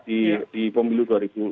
di pemilu dua ribu dua puluh